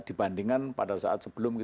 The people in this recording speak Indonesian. saya dibandingkan pada saat sebelum ini